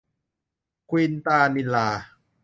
ควินตานิลลา